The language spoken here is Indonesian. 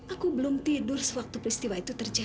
aku belum tidur sewaktu peristiwa itu terjadi